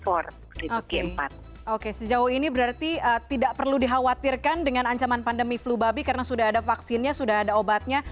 oke sejauh ini berarti tidak perlu dikhawatirkan dengan ancaman pandemi flu babi karena sudah ada vaksinnya sudah ada obatnya